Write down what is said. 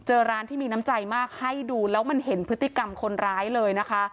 เจอร้านที่มีน้ำใจมากให้ดูแล้วมันเห็นพฤติกรรมคนร้ายเลยนะคะ